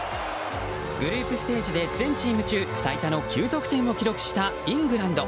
グループステージで全チーム中最多の９得点を記録したイングランド。